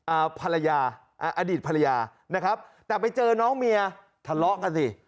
อ่าภรรยาอ่าอดีตภรรยานะครับแต่ไปเจอน้องเมียทะเลาะกันสิ